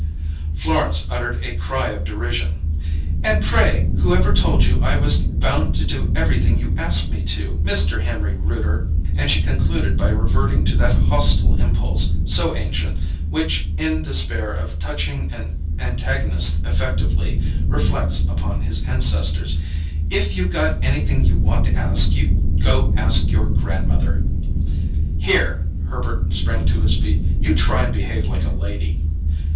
Florence uttered a cry of derision. "And pray, whoever told you I was bound to do everything you ask me to, Mister Henry Rooter?" And she concluded by reverting to that hostile impulse, so ancient, which, in despair of touching an antagonist effectively, reflects upon his ancestors. "If you got anything you want to ask, you go ask your grandmother!" "Here!" Herbert sprang to his feet. "You try and behave like a lady!"